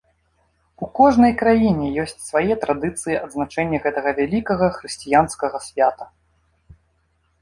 У кожнай краіне ёсць свае традыцыі адзначэння гэтага вялікага хрысціянскага свята.